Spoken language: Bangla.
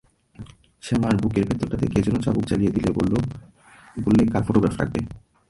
শ্যামার বুকের ভিতরটাতে কে যেন চাবুক চালিয়ে দিলে, বললে, কার ফোটোগ্রাফ রাখবে?